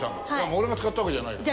俺が使ったわけじゃないから。